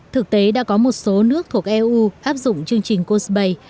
thực tế đã có một số nước thuộc eu áp dụng chương trình cuzabay